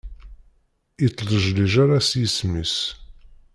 Ittlejlij ala s yisem-is.